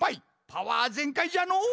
パワーぜんかいじゃのう！